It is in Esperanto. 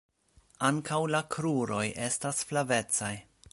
Ankaŭ la kruroj estas flavecaj.